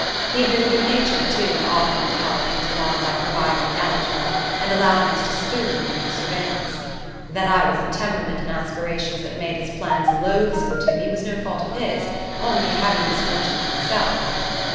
He had been good natured, too, in offering to help things along by providing an eligible, and allowing us to "spoon" under his surveillance. That I was of temperament and aspirations that made his plans loathsome to me was no fault of his only a heavy misfortune to myself.